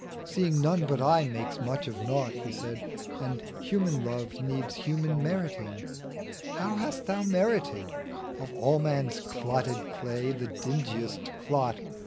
Seeing none but I makes much of naught " (He said), '* And human love needs human meriting : How hast thou merited Of all man's clotted clay the dingiest clot